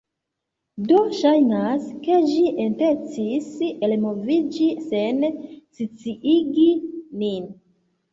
do ŝajnas, ke ĝi intencis elmoviĝi sen sciigi nin.